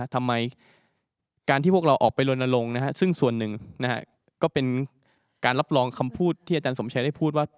ทำไมการที่พวกเราออกไปลนลงซึ่งส่วนหนึ่งก็เป็นการรับรองคำพูดที่อาจารย์สมชัยได้พูดว่า